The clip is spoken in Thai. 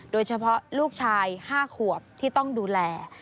โดยเฉพาะลูกชาย๕ขวบที่ต้องดูแล